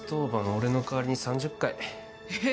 俺の代わりに３０回えっ？